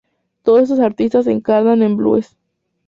Todos estos artistas encarnan el blues.